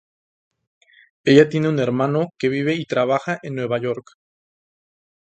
Ella tiene un hermano que vive y trabaja en Nueva York.